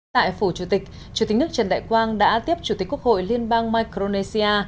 tại phủ chủ tịch chủ tịch nước trần đại quang đã tiếp chủ tịch quốc hội liên bang micronesia